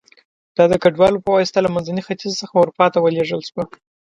دا د کډوالو په واسطه له منځني ختیځ څخه اروپا ته ولېږدول شوه